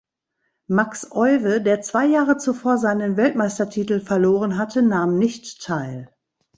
Max Euwe, der zwei Jahre zuvor seinen Weltmeistertitel verloren hatte, nahm nicht teil.